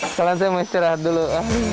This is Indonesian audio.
sekarang saya mau istirahat dulu